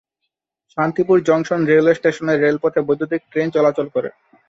Shantipur junction railway স্টেশনে এর রেলপথে বৈদ্যুতীক ট্রেন চলাচল করে।